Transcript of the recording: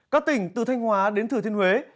các tỉnh từ thanh hóa đến thừa thiên huế